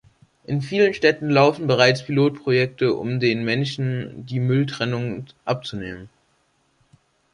In vielen Städten laufen bereits Pilotprojekte, um den Menschen die Mülltrennung abzunehmen.